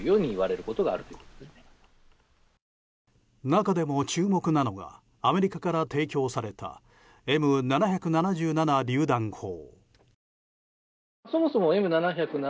中でも注目なのがアメリカから提供されたＭ７７７りゅう弾砲。